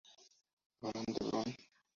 Abram de Bron".